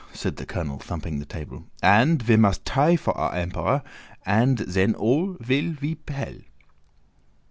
said the colonel, thumping the table; "and ve must tie for our Emperor, and zen all vill pe vell.